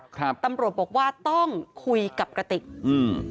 ครับตำรวจบอกว่าต้องคุยกับกระติกอืม